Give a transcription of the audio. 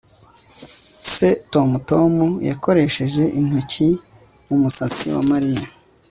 S Tom Tom yakoresheje intoki mu musatsi wa Mariya